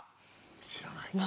知らない。